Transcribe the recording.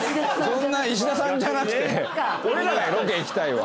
そんな石田さんじゃなくて俺らがロケ行きたいわ。